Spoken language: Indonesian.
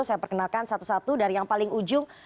saya perkenalkan satu satu dari yang paling ujung